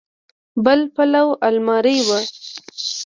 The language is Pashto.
بل پلو المارۍ وه.